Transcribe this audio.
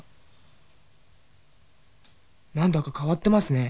何だか変わってますね。